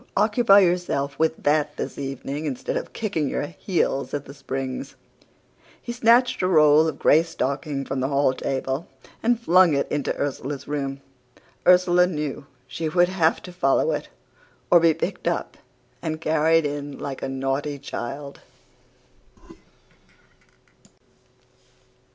Occupy yourself with that this evening instead of kicking your heels at The Springs!' "He snatched a roll of gray stocking from the hall table and flung it into Ursula's room. Ursula knew she would have to follow it, or be picked up and carried in like a naughty child.